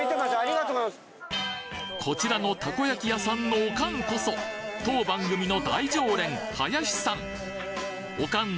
こちらのたこ焼き屋さんのオカンこそ当番組の大常連・林さん！